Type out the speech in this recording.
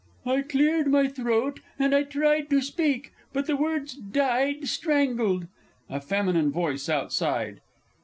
I cleared my throat and I tried to speak but the words died strangled A FEMININE VOICE OUTSIDE.